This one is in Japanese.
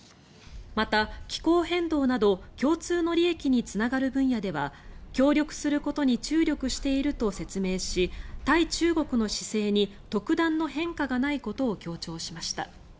また、気候変動など共通の利益につながる分野では協力することに注力していると説明し対中国の姿勢に特段の変化がないことを強調しました。